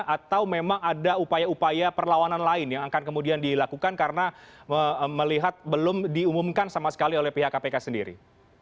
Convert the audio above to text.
atau memang ada upaya upaya perlawanan lain yang akan kemudian dilakukan karena melihat belum diumumkan sama sekali oleh pihak kpk sendiri